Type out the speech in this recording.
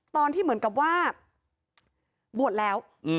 ตอนที่เหมือนกับว่าบวชแล้ว